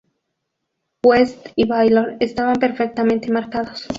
West y Baylor estaban perfectamente marcados.